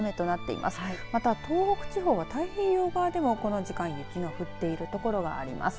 また東北地方は太平洋側ではこの時間、雪が降っている所があります。